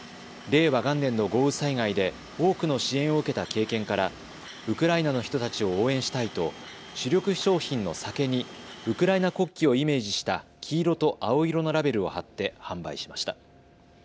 令和元年の豪雨災害で多くの支援を受けた経験からウクライナの人たちを応援したいと主力商品の酒にウクライナ国旗をイメージした黄色と青色のラベルを貼って販売しました。